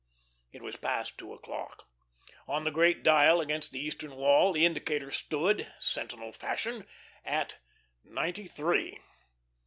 It was past two o'clock. On the great dial against the eastern wall the indicator stood sentinel fashion at ninety three.